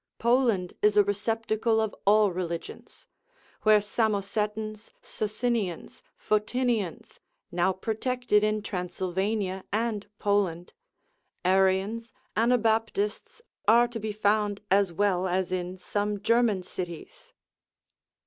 Poland is a receptacle of all religions, where Samosetans, Socinians, Photinians (now protected in Transylvania and Poland), Arians, Anabaptists are to be found, as well as in some German cities.